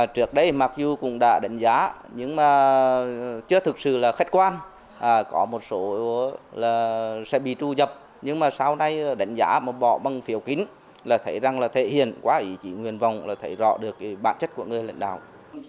trước đây mặc dù cũng đã đánh giá nhưng mà chưa thực sự là khách quan có một số là sẽ bị tru dập nhưng mà sau này đánh giá một bỏ bằng phiếu kín là thấy rằng là thể hiện qua ý chí nguyên vọng là thấy rõ được bản chất của người lãnh đạo